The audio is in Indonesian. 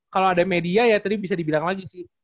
kalau ada media ya tadi bisa dibilang lagi sih